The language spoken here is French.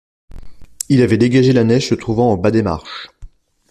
Il avait dégagé la neige se trouvant au bas des marches.